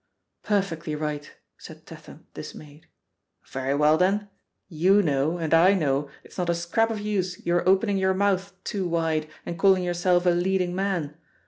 "Perfectly right," said Tatham, dismayed. "Very well, then! you know, and I know it's not a scrap of use your opening your mouth too wide and calling yourself a 'leading man.'